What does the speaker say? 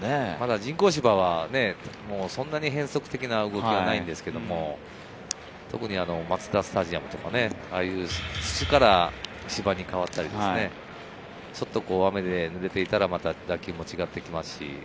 人工芝はそんなに変則的な動きがないんですけど、特にマツダスタジアムとか土から芝に変わったり、ちょっと雨で濡れていたら、また打球も違ってきます。